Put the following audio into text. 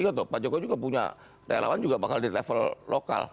nggak tahu pak jokowi juga punya relawan juga bakal di level lokal